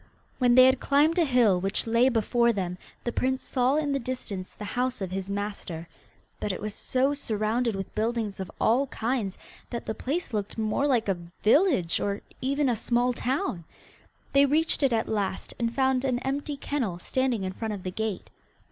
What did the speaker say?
When they had climbed a hill which lay before them the prince saw in the distance the house of his master, but it was so surrounded with buildings of all kinds that the place looked more like a village or even a small town. They reached it at last, and found an empty kennel standing in front of the gate.